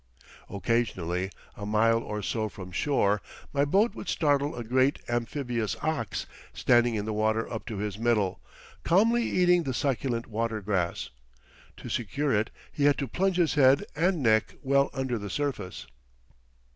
Occasionally, a mile or so from shore, my boat would startle a great amphibious ox standing in the water up to his middle, calmly eating the succulent water grass. To secure it he had to plunge his head and neck well under the surface.